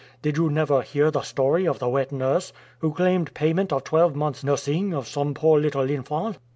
Did you never hear the story of the wet nurse who claimed payment of twelve months' nursing of some poor little infant?"